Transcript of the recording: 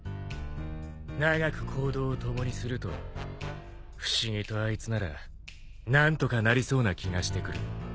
長く行動を共にすると不思議とあいつなら何とかなりそうな気がしてくる。